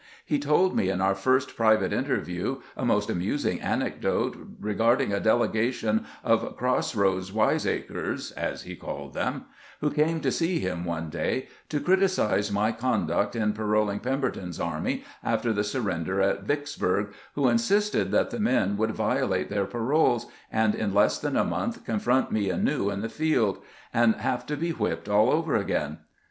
He told me in our first private in terview a most amusing anecdote regarding a delegation of ' cross roads wiseacres,' as he called them, who came to see him one day to criticize my conduct in paroling Pemberton's army after the surrender at Vicksburg, who insisted that the men would violate their paroles, and in less than a month confront me anew in the field, and have to be whipped all over again.